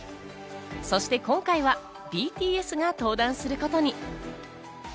そして今回はＢＴＳが登壇することに。